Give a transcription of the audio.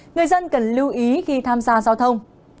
người dân cần lưu ý khi tham gia giao thông